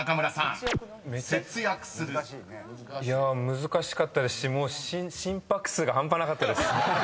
難しかったですしもう心拍数が半端なかったです。